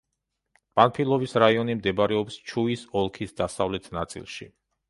პანფილოვის რაიონი მდებარეობს ჩუის ოლქის დასავლეთ ნაწილში.